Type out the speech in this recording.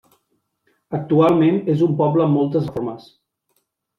Actualment és un poble amb moltes reformes.